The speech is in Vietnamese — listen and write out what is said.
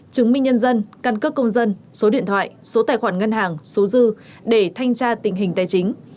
chứng minh nhân dân căn cước công dân số điện thoại số tài khoản ngân hàng số dư để thanh tra tình hình tài chính